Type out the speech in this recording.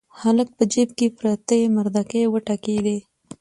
هلک په جيب کې پرتې مردکۍ وټکېدې.